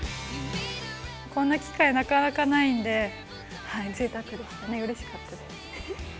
こんな機会なかなかないんで、ぜいたくでしたね、うれしかったです。